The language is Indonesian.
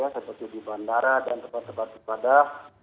seperti di bandara dan tempat tempat di padah